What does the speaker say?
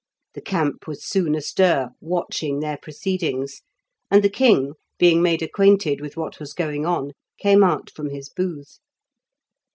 The camp was soon astir watching their proceedings; and the king, being made acquainted with what was going on, came out from his booth.